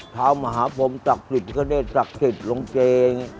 ท้าวมหาพรมศักดิ์สิทธิ์เกษตรศักดิ์สิทธิ์ลงเจง